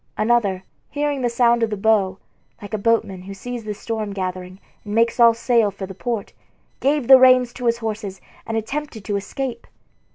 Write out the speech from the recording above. Another, hearing the sound of the bow, like a boatman who sees the storm gathering and makes all sail for the port, gave the reins to his horses and attempted to escape.